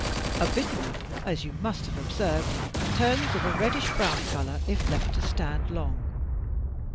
A bitten apple, as you must have observed, turns of a reddish brown cx)lor if left to stand long.